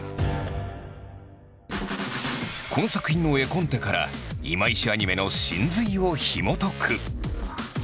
この作品の絵コンテから今石アニメの神髄をひもとく。